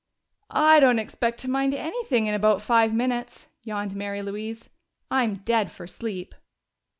"I don't expect to mind anything in about five minutes," yawned Mary Louise. "I'm dead for sleep."